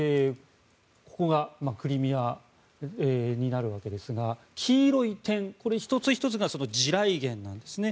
ここがクリミアになるわけですが黄色い点１つ１つが地雷原なんですね。